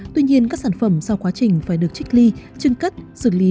tuy nhiên các sản phẩm sau quá trình phải được trích ly chưng cất dựng lý